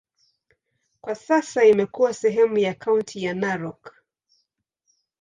Kwa sasa imekuwa sehemu ya kaunti ya Narok.